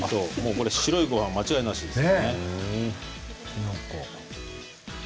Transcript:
これは白いごはん間違いなしです。